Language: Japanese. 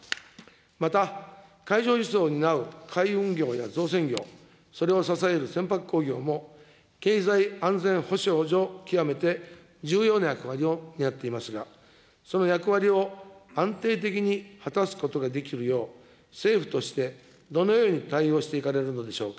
また、海上輸送を担う海運業や造船業、それを支える船舶工業も、経済安全保障上、極めて重要な役割を担っていますが、その役割を安定的に果たすことができるよう、政府としてどのように対応していかれるのでしょうか。